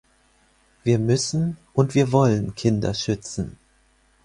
Wir müssen und wir wollen Kinder schützen.